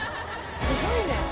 すごいね。